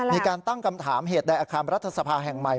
มีการตั้งคำถามเหตุใดอาคารรัฐสภาแห่งใหม่